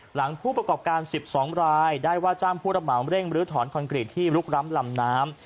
หลังผู้ประกอบการ๑๒รายได้ว่าจ้างผู้รับเหมาเร่งรื้อถอนคอนกรีตที่ลุกล้ำลำน้ำ